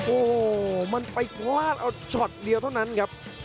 โอ้โหมันไปพลาดเอาช็อตเดียวเท่านั้นครับ